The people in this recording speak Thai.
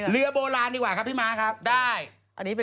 เรือโบราณดีกว่าครับพี่ม้าครับได้